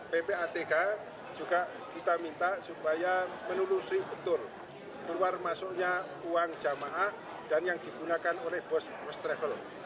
ppatk juga kita minta supaya menelusuri betul keluar masuknya uang jamaah dan yang digunakan oleh bos first travel